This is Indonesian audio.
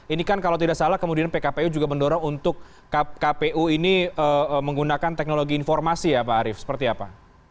ini kan kalau tidak salah kemudian pkpu juga mendorong untuk kpu ini menggunakan teknologi informasi ya pak arief seperti apa